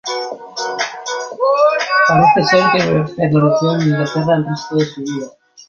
Parece ser que permaneció en Inglaterra el resto de su vida.